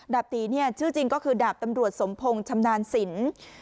ตีเนี่ยชื่อจริงก็คือดาบตำรวจสมพงศ์ชำนาญสิน